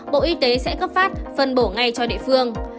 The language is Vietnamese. bộ y tế sẽ cấp phát phân bổ ngay cho địa phương